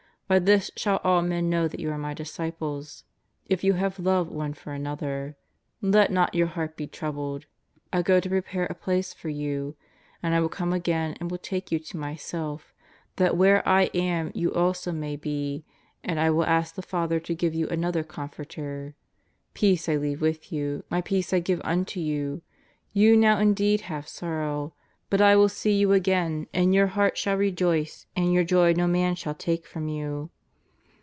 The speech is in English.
By this shall all men know that you are My disciples, if you have love one for another. Let not your heart be troubled. I go to prepare a place for you. And I will come again and will take you to Myself, that where I am you also may be. And I will ask the Father to give you another Comforter. Peace I leave with you. My peace I give unto you. You now indeed have sorrow, but I will see you again and your heart shall rejoice, and your joy no man shall take from you."